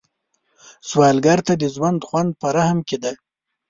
سوالګر ته د ژوند خوند په رحم کې دی